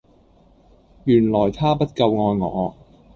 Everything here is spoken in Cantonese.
原來她不夠愛我